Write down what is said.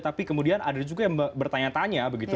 tapi kemudian ada juga yang bertanya tanya begitu